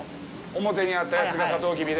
表にあったやつがサトウキビで。